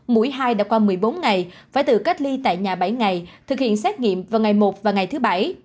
mũi hai đã qua một mươi bốn ngày phải tự cách ly tại nhà bảy ngày thực hiện xét nghiệm vào ngày một và ngày thứ bảy